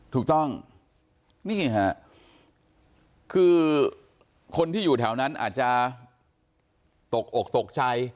ถูกต้องนี่ฮะคือคนที่อยู่แถวนั้นอาจจะตกอกตกใจ